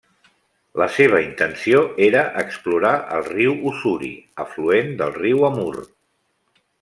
La seva intenció era explorar el riu Ussuri, afluent del riu Amur.